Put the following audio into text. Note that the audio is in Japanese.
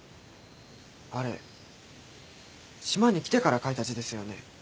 あれ島に来てから書いた字ですよね？